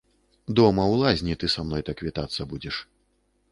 Дома ў лазні ты са мной так вітацца будзеш.